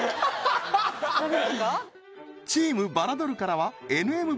チームバラドルからはＮＭＢ４８